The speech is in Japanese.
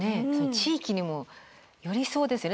地域にもよりそうですよね。